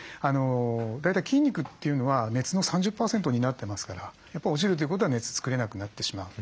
大体筋肉というのは熱の３０％担ってますからやっぱり落ちるということは熱作れなくなってしまう。